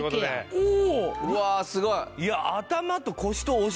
うわあすごい。